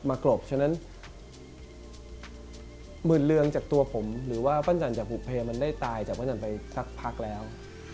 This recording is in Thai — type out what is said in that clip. กรบฉะนั้นหมื่นเรืองจากตัวผมหรือว่าปั้นจันจากบุเพมันได้ตายจากปั้นจันไปสักพักแล้ว